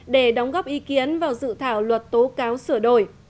để đóng góp ý kiến vào dự thảo luật tố cáo sửa đổi